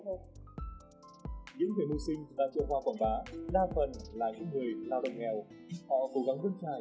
những người nuôi sinh đã trở qua quảng bá